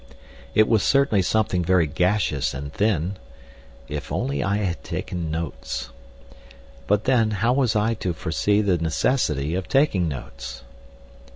It was certainly something very gaseous and thin. If only I had taken notes... But then, how was I to foresee the necessity of taking notes?